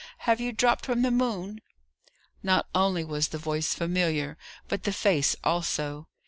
Have you dropped from the moon?" Not only was the voice familiar, but the face also.